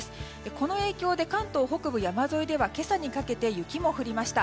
この影響で関東北部山沿いでは今朝にかけて雪も降りました。